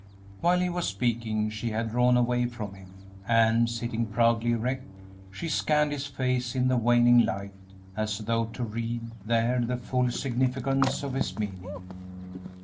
While he was speaking she had drawn away from him, and, sitting proudly erect, she scanned his face in the waning light as though to read there the full significance of his meaning.